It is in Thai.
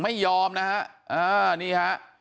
ไม่ยอมนะฮะอ่านี่ฮะ